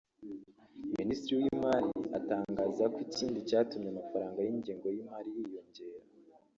Minisitiri w’imari atangaza ko ikindi cyatumye amafaranga y’ingengo y’imari yiyongera